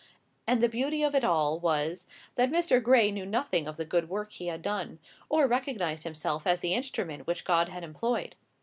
And the beauty of it all was, that Mr. Gray knew nothing of the good work he had done, or recognized himself as the instrument which God had employed.